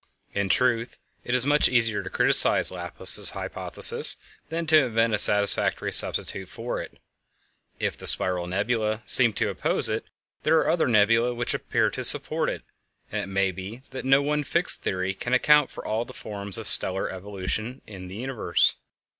In truth, it is much easier to criticize Laplace's hypothesis than to invent a satisfactory substitute for it. If the spiral nebulæ seem to oppose it there are other nebulæ which appear to support it, and it may be that no one fixed theory can account for all the forms of stellar evolution in the universe.